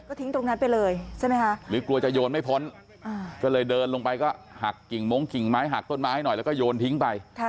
ทิ้งตรงนั้นไปเลยใช่ไหมคะหรือกลัวจะโยนไม่พ้นก็เลยเดินลงไปก็หักกิ่งมงกิ่งไม้หักต้นไม้หน่อยแล้วก็โยนทิ้งไป